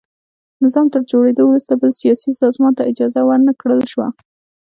نظام تر جوړېدو وروسته بل سیاسي سازمان ته اجازه ور نه کړل شوه.